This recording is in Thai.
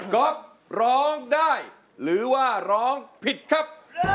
ก๊อฟร้องได้หรือว่าร้องผิดครับ